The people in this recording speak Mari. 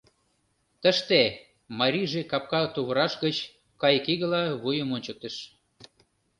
— Тыште, — марийже капка тувраш гыч кайыкигыла вуйым ончыктыш.